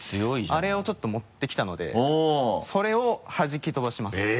あれをちょっと持ってきたのでそれをはじき飛ばします。